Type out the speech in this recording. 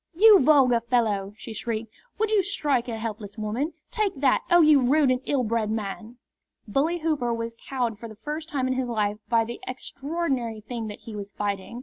"You vulgar fellow!" she shrieked. "Would you strike a helpless woman! Take that! Oh, you rude and ill bred man!" Bully Hooper was cowed for the first time in his life by the extraordinary thing that he was fighting.